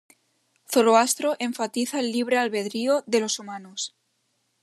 Zoroastro enfatiza el libre albedrío de los humanos.